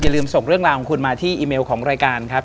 ลืมส่งเรื่องราวของคุณมาที่อีเมลของรายการครับ